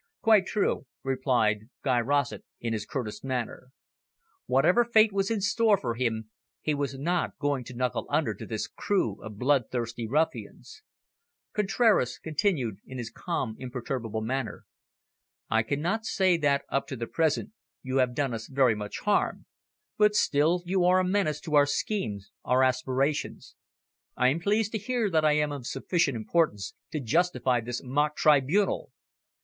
"Quite true," replied Guy Rossett in his curtest manner. Whatever fate was in store for him, he was not going to knuckle under to this crew of bloodthirsty ruffians. Contraras continued in his calm, imperturbable manner. "I cannot say that, up to the present, you have done us very much harm, but still you are a menace to our schemes, our aspirations." "I am pleased to hear that I am of sufficient importance to justify this mock tribunal."